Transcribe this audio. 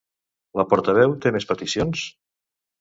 La portaveu té més peticions?